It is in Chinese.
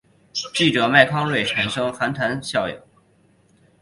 记者麦康瑞产生寒蝉效应。